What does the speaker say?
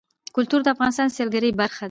کلتور د افغانستان د سیلګرۍ برخه ده.